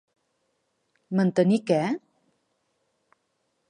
Mantenir què?